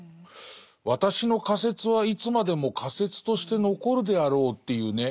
「私の仮説はいつまでも仮説として残るであらう」っていうね。